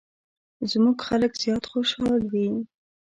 زموږ خلک زیات خوشحال وي.